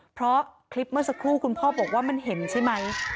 เพราะคลิปเมื่อสักครู่คุณพ่อบอกว่ามันเห็นใช่ไหม